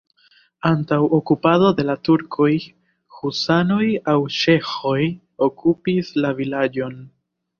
Antaŭ okupado de la turkoj husanoj aŭ ĉeĥoj okupis la vilaĝon.